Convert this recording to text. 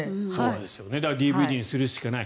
だからＤＶＤにするしかない。